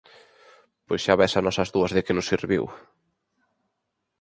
_¡Pois xa ves a nós as dúas de que nos serviu!